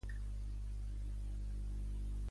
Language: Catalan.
Tant tenim del joc com del «rebato».